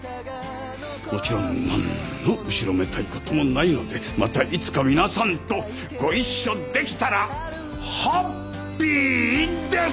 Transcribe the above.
もちろんなんの後ろめたい事もないのでまたいつか皆さんとご一緒できたらハッピーです！